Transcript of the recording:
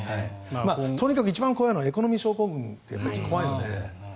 とにかく一番怖いのはエコノミー症候群なので。